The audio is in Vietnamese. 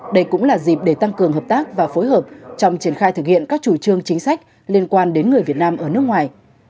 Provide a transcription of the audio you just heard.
đây cũng là dịp để tăng cường hợp tác và phối hợp trong triển khai thực hiện các chủ trương chính sách liên quan đến người việt nam ở nước ngoài